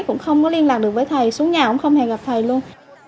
cũng không có liên lạc được với thầy xuống nhà cũng không hề gặp thầy luôn